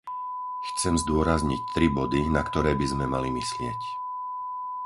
Chcem zdôrazniť tri body, na ktoré by sme mali myslieť.